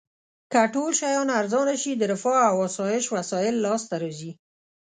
که ټول شیان ارزانه شي د رفاه او اسایش وسایل لاس ته راځي.